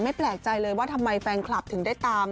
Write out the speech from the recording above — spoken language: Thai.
แปลกใจเลยว่าทำไมแฟนคลับถึงได้ตาม